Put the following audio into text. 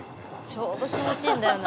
ちょうど気持ちいいんだよね。